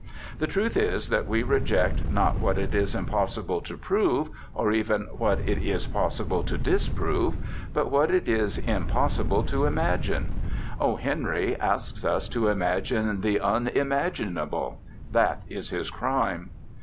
The truth is that we reject not what it is impossible to prove, or even what it is possible to disprove, but what it is impossible to imagine. O. Henry asks us to imagine the unimaginable that is his crime.